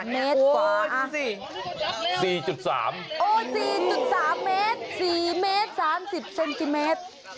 ๔๓เมตร๔เมตร๓๐เซนติเมตร